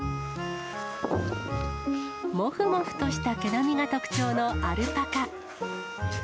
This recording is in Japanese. もふもふとした毛並みが特徴のアルパカ。